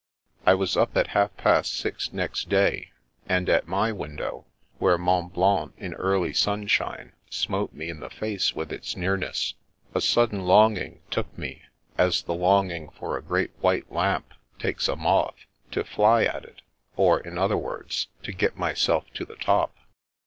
I was up at half past six next day, and at my win dow, where Mont Blanc in early sunshine smote me in the face with its nearness. A sudden longing took me, as the longing for a great white lamp takes a moth, to fly at it, or, in other words, to get myself to the top.